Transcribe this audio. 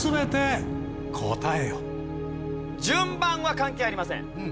順番は関係ありません。